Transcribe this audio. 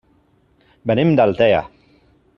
Venim d'Altea.